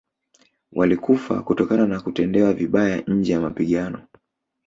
Walikufa kutokana na kutendewa vibaya nje ya mapigano